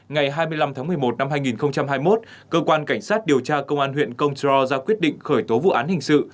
ngày hai mươi năm tháng một mươi một năm hai nghìn hai mươi một cơ quan cảnh sát điều tra công an huyện công trô ra quyết định khởi tố vụ án hình sự